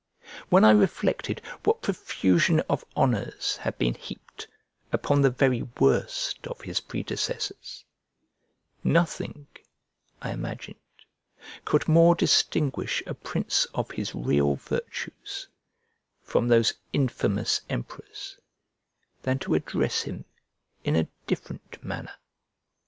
When I reflected what profusion of honours had been heaped upon the very worst of his predecessors, nothing, I imagined, could more distinguish a prince of his real virtues from those infamous emperors than to address him in a different manner.